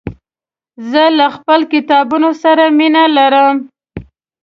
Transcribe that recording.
زه له خپلو کتابونو سره مينه لرم.